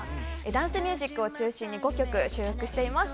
ダンスミュージックを中心に５曲収録しています。